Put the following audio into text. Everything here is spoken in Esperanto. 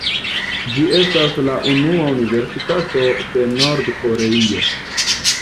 Ĝi estas la unua universitato de Nord-Koreio.